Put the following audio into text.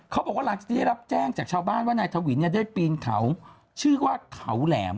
เขาบอกว่าหลังจากได้รับแจ้งจากชาวบ้านว่านายทวินได้ปีนเขาชื่อว่าเขาแหลม